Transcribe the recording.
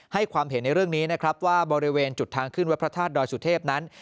ความเห็นในเรื่องนี้นะครับว่าบริเวณจุดทางขึ้นวัดพระธาตุดอยสุเทพนั้น